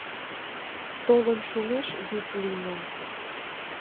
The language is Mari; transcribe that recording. Толын шумеш вӱд лийна.